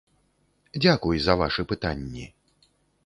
Дзякуй за вашы пытанні!